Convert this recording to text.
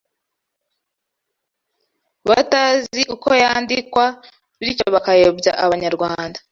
batazi uko yandikwa bityo bakayobya abanyarwanda